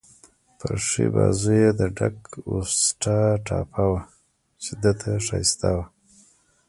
پر ښي بازو يې د ډک اوسټا ټاپه وه، چې ده ته ښایسته وه.